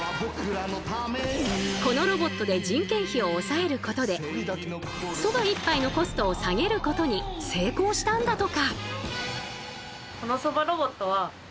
このロボットで人件費を抑えることでそば１杯のコストを下げることに成功したんだとか。